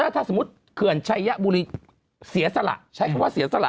ถ้าสมมุติเขื่อนชัยบุรีเสียสละใช้คำว่าเสียสละ